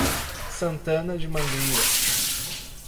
Santana de Mangueira